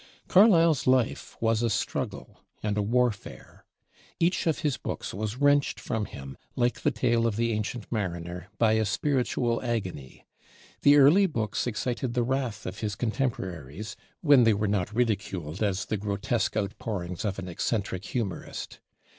Carlyle's life was a struggle and a warfare. Each of his books was wrenched from him, like the tale of the 'Ancient Mariner,' by a spiritual agony. The early books excited the wrath of his contemporaries, when they were not ridiculed as the grotesque outpourings of an eccentric humorist.